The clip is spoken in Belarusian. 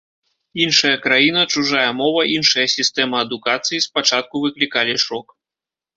Іншая краіна, чужая мова, іншая сістэма адукацыі спачатку выклікалі шок.